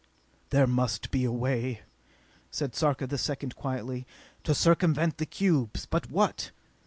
"There must be a way," said Sarka the Second quietly, "to circumvent the cubes! But what?